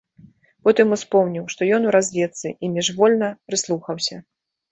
Потым успомніў, што ён у разведцы, і міжвольна прыслухаўся.